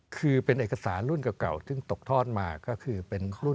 คือเป็นเอกสารรุ่นเก่าซึ่งตกทอดมาก็คือเป็นรุ่น